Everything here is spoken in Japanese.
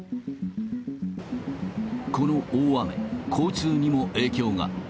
この大雨、交通にも影響が。